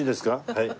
はい。